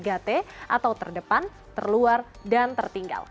atau terdepan terluar dan tertinggal